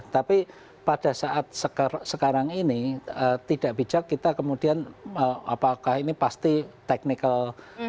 tapi pada saat sekarang ini tidak bijak kita kemudian apakah ini pasti technical